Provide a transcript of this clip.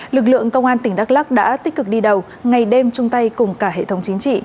lực lượng công an tỉnh đắk lắc đã tích cực đi đầu ngày đêm chung tay cùng cả hệ thống chính trị